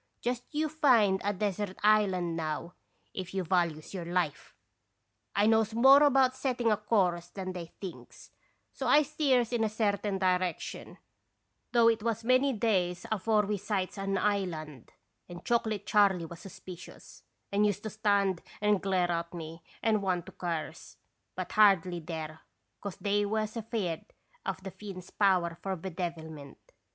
Just you find a desert island now, if you values your life !'" I knows more about setting a course than they thinks, so I steers in a certain direction, though it was many days afore we sights an island; and Chocolate Charley was suspicious, and used to stand and glare at me and want to curse, but hardly dare, 'cause they was afeard of the Finn's power for bedevilment.